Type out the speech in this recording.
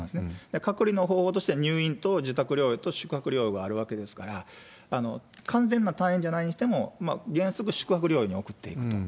隔離の方法として入院と自宅療養と宿泊療養があるわけですから、完全な退院じゃないにしても、原則、宿泊療養におくっていうこと。